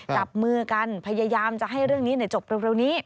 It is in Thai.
จับมือกันพยายามจะให้เรื่องนี้จบเร็วนี้